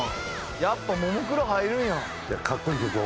やっぱももクロ入るんや。